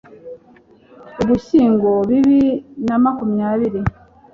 Ugushyingo bibi na makumyabiri